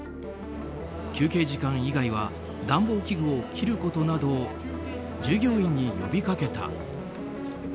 休憩時間以外は暖房器具を切ることなどを従業員に呼びかけた。